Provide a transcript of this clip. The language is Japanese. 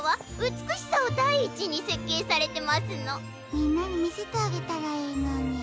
みんなにみせてあげたらいいのに。